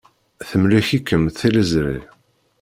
Temlek-ikem tliẓri.